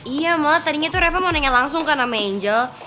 iya malah tadinya tuh reva mau nanya langsung kan sama angel